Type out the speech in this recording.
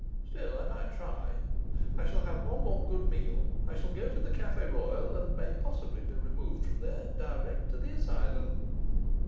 Still I might try. I shall have one more good meal; I shall go to the Cafe Royal, and may possibly be removed from there direct to the asylum.